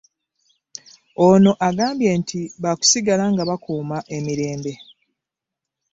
Ono agambye nti ba kusigala nga bakuuma emirembe